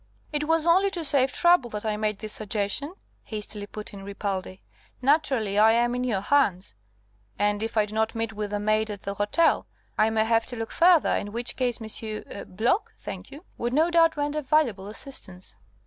"It was only to save trouble that I made the suggestion," hastily put in Ripaldi. "Naturally I am in your hands. And if I do not meet with the maid at the hotel, I may have to look further, in which case Monsieur Block? thank you would no doubt render valuable assistance."